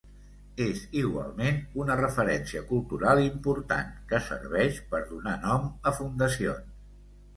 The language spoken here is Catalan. És igualment una referència cultural important, que serveix per donar nom a fundacions.